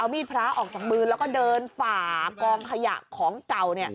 มีดพระออกจากมือแล้วก็เดินฝ่ากองขยะของเก่า